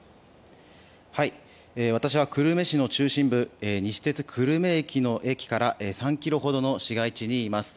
私は久留米市の中心部西鉄久留米駅から３ｋｍほどの市街地にいます。